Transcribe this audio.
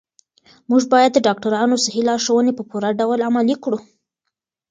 موږ باید د ډاکترانو صحي لارښوونې په پوره ډول عملي کړو.